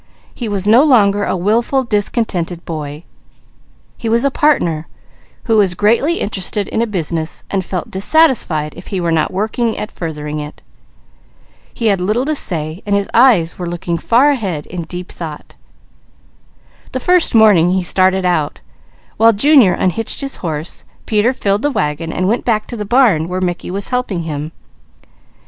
He was no longer a wilful discontented boy. He was a partner, who was greatly interested in a business and felt dissatisfied if he were not working at furthering it. He had little to say, but his eyes were looking far ahead in deep thought. The first morning he started out, while Junior unhitched his horse, Peter filled the wagon and went back to the barn where Mickey was helping him.